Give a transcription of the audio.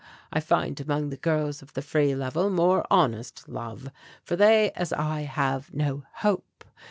I find among the girls of the Free Level more honest love, for they, as I, have no hope.